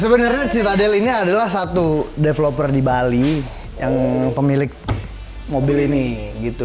sebenarnya citadel ini adalah satu developer di bali yang pemilik mobil ini gitu